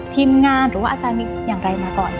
ทีมงานหรือว่าอาจารย์มีอย่างไรมาก่อน